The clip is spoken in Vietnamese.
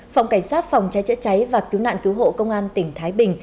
phòng cảnh sát phòng cháy chữa cháy và cứu nạn cứu hộ công an tỉnh thái bình